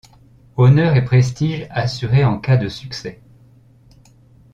Honneur et prestige assurés en cas de succès.